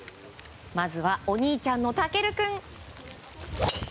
まずはお兄ちゃんの嵩琉君。